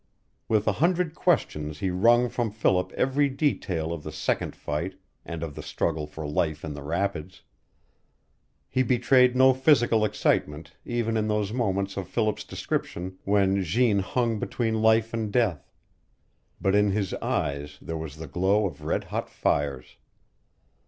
With a hundred questions he wrung from Philip every detail of the second fight and of the struggle for life in the rapids. He betrayed no physical excitement, even in those moments of Philip's description when Jeanne hung between life and death; but in his eyes there was the glow of red hot fires.